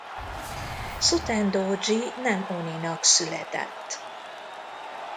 Suten-dódzsi nem oninak született.